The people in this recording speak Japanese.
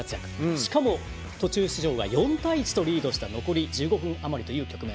しかも、途中出場は４対１とリードした残り１５分余りという局面。